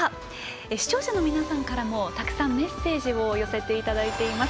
視聴者の皆さんからもたくさん、メッセージを寄せていただいています。